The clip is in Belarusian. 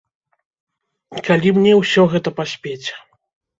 Калі мне ўсё гэта паспець?